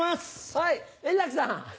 はい円楽さん。